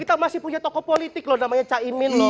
kita masih punya tokoh politik loh namanya caimin loh